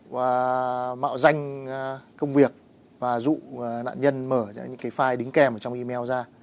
và mạo danh công việc và dụ nạn nhân mở ra những cái file đính kèm trong email ra